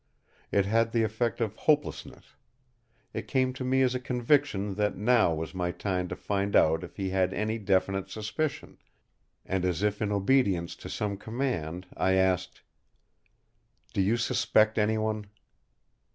It had the effect of hopelessness. It came to me as a conviction that now was my time to find out if he had any definite suspicion; and as if in obedience to some command, I asked: "Do you suspect anyone?"